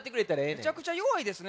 めちゃくちゃよわいですね。